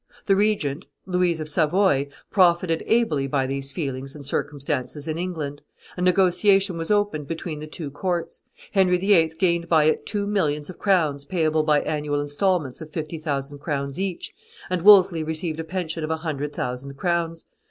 The regent, Louise of Savoy, profited ably by these feelings and circumstances in England; a negotiation was opened between the two courts; Henry VIII. gained by it two millions of crowns payable by annual instalments of fifty thousand crowns each, and Wolsey received a pension of a hundred thousand crowns.